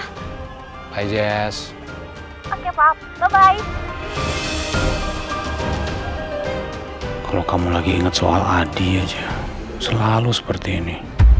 hai yes oke pak bye bye kalau kamu lagi inget soal adi aja selalu seperti ini